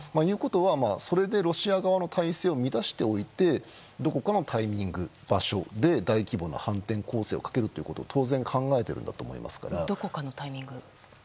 それでロシア側の態勢を乱しておいてどこかのタイミング、場所で大規模な反転攻勢をかけるということを当然、考えていると思いますから。